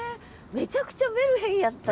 めちゃくちゃメルヘンやった。